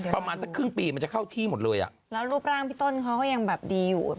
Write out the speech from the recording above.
ประมาณสักครึ่งปีมันจะเข้าที่หมดเลยอ่ะแล้วรูปร่างพี่ต้นเขาก็ยังแบบดีอยู่